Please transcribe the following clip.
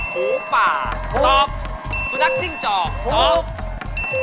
หูป่าตอบสูดักสิ้งจอมตอบโข